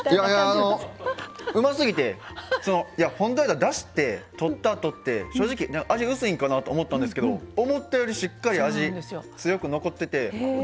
いやほんと言うたらだしってとったあとって正直味薄いんかなと思ったんですけど思ったよりしっかり味強く残ってて。